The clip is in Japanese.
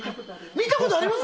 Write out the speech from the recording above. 見たことあります